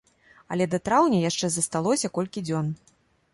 Але да траўня яшчэ засталося колькі дзён.